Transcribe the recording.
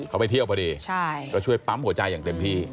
เขาไปเที่ยวพอดีก็ช่วยปั๊มหัวใจอย่างเต็มที่